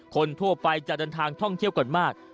คนทั่วไปจะเดินทางท่องเที่ยวกันมาก